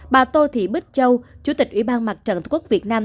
bà tô thị bích châu chủ tịch ủy ban mặt trận tổ quốc việt nam